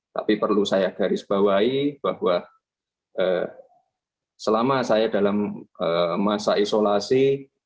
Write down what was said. tapi perlu saya garis bawahi bahwa selama saya dalam masa isolasi